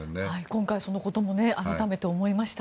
今回、そのことも改めて思いました。